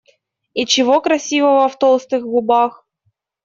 И чего красивого в толстых губах?